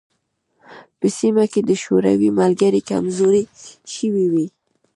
په سیمه کې د شوروي ملګري کمزوري شوي وای.